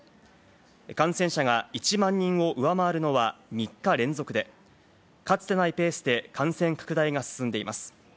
感染者が１万人を上回るのは３日連続でかつてないペースで感染拡大が進んでいます。